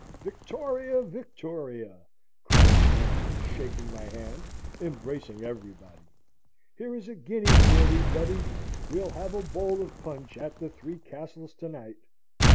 "Victoria, Victoria!" cries Sampson, shaking my hand, embracing everybody. "Here is a guinea for thee, Betty. We'll have a bowl of punch at the Three Castles to night!"